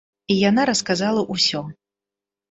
І яна расказала ўсё.